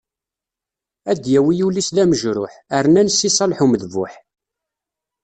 Ad d-yawi ul-is d amejruḥ, rnan Si Ṣaleḥ Umedbuḥ.